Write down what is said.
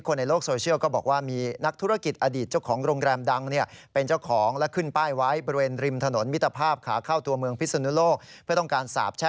คนในโลกโซเชียลก็บอกว่า